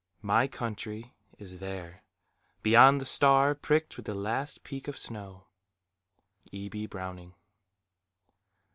"My country is there; Beyond the star pricked with the last peak of snow." E. B. Browning.